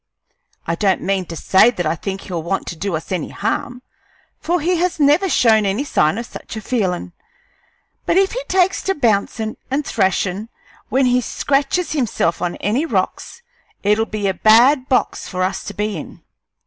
I don't mean to say that I think he'll want to do us any harm, for he has never shown any sign of such a feelin', but if he takes to bouncin' and thrashin' when he scratches himself on any rocks, it'll be a bad box for us to be in."